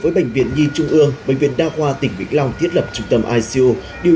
với bệnh viện nhi trung ương bệnh viện đa khoa tỉnh vĩnh long thiết lập trung tâm icu điều